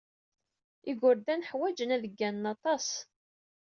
Igerdan ḥwajen ad gganen aṭas.